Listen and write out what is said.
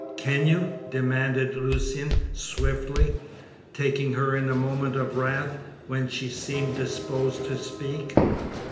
"Can you?" demanded Lucian swiftly, taking her in the moment of wrath, when she seemed disposed to speak.